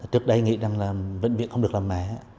trước đây nghĩ rằng là bệnh viện không được làm mẹ